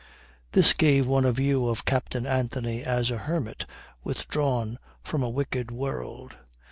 This gave one a view of Captain Anthony as a hermit withdrawn from a wicked world.